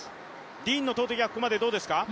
ディーンの投てきはここまでどうですか？